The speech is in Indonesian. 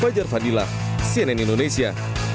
fajar fadilah cnn indonesia